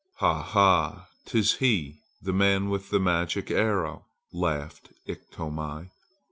"Ha! ha! 'tis he! the man with the magic arrow!" laughed Iktomi.